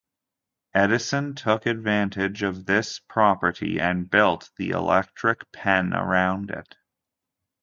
Edison took advantage of this property and built the electric pen around it.